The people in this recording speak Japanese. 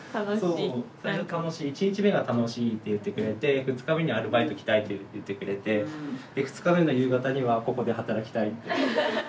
１日目が楽しいって言ってくれて２日目にアルバイト来たいと言ってくれてで２日目の夕方にはここで働きたいって。